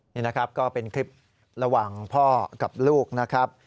นี่นะครับก็เป็นคลิประหว่างพ่อกับลูกนะครับ